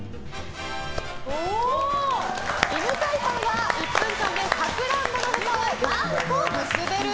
犬飼さんは１分間でさくらんぼのヘタを何個、結べる？